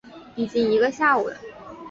已经一个下午了